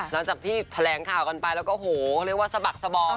หลังจากที่แถลงข่าวกันไปแล้วก็โหเรียกว่าสะบักสบอม